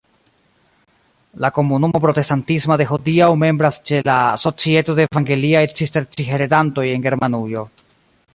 La komunumo protestatisma de hodiaŭ membras ĉe la Societo de evangeliaj cisterciheredantoj en Germanujo.